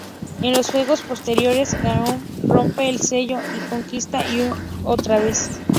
En los juegos posteriores, Ganon rompe el sello, y conquista Hyrule otra vez.